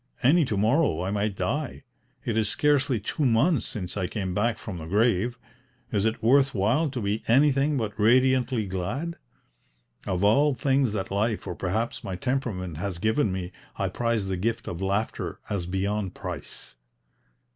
Any to morrow I might die. It is scarcely two months since I came back from the grave: is it worth while to be anything but radiantly glad? Of all things that life or perhaps my temperament has given me I prize the gift of laughter as beyond price."